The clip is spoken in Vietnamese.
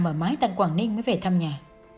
mở mái tận quảng ninh mới về thăm nhà